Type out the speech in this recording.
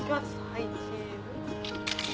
はいチーズ。